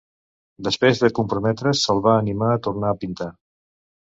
Després de comprometre's, se'l va animar a tornar a pintar.